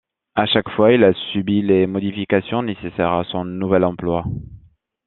À chaque fois, il a subi les modifications nécessaires à son nouvel emploi.